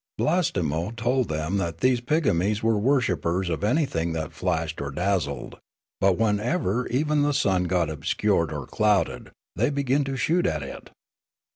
Blastemo told them that these pigmies were worshippers of anything that flashed or dazzled, but whenever even the sun got obscured or clouded they began to shoot at it.